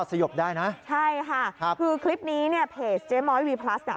สยบได้นะใช่ค่ะครับคือคลิปนี้เนี่ยเพจเจ๊ม้อยวีพลัสอ่ะ